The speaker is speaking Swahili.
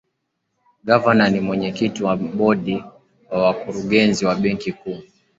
gavana ni mwenyekiti wa bodi ya wakurugenzi wa benki kuu